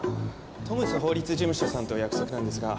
トムス法律事務所さんとお約束なんですが。